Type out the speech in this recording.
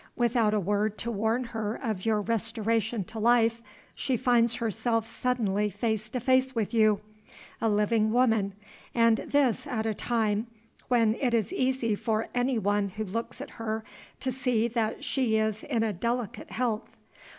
Without a word to warn her of your restoration to life, she finds herself suddenly face to face with you, a living woman and this at a time when it is easy for any one who looks at her to see that she is in delicate health.